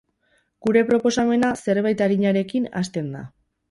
Gure proposamena zerbait arinarekin hastea da.